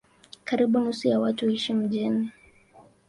Karibu nusu ya watu huishi mijini.